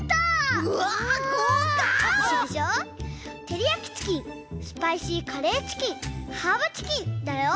てりやきチキンスパイシーカレーチキンハーブチキンだよ。